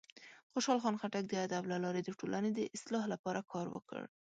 خوشحال خان خټک د ادب له لارې د ټولنې د اصلاح لپاره کار وکړ.